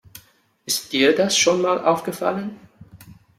Ist dir das schon mal aufgefallen?